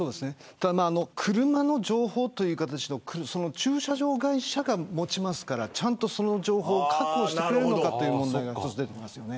ただ、車の情報は駐車場会社が持ちますからちゃんと、その情報を確保してくれるのかという問題が一つ出てきますよね。